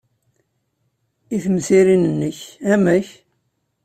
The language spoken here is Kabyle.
I temsirin-nnek, amek?